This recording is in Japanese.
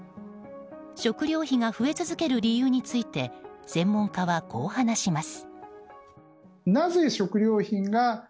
食料費が増え続ける理由について専門家は、こう話します。